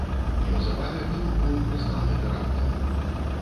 Неўзабаве выбух быў прызнаны тэрактам.